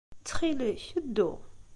Ttxil-k, ddu.